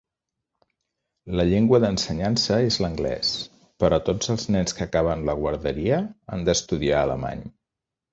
La llengua d'ensenyança és l'anglès, però tots els nens que acaben la guarderia han d'estudiar alemany.